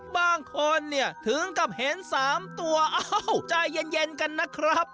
บางคนเนี่ยถึงกับเห็น๓ตัวอ้าวใจเย็นกันนะครับ